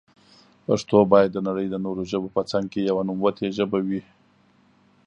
پښتو بايد دنړی د نورو ژبو په څنګ کي يوه نوموتي ژبي وي.